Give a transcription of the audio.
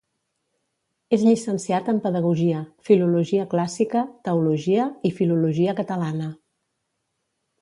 És llicenciat en pedagogia, filologia clàssica, teologia i filologia catalana.